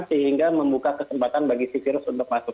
sehingga membuka kesempatan bagi si virus untuk masuk